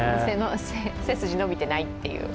背筋伸びてないっていう。